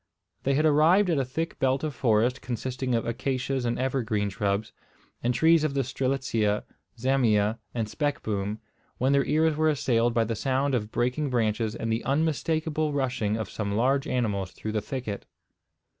They had arrived at a thick belt of forest, consisting of acacias and evergreen shrubs, and trees of the strelitzia, zamia, and speckboom, when their ears were assailed by the sound of breaking branches, and the unmistakable rushing of some large animals through the thicket.